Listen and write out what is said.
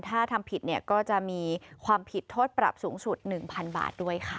ถ้าทำผิดเนี่ยก็จะมีความผิดโทษปรับสูงสุด๑๐๐๐บาทด้วยค่ะ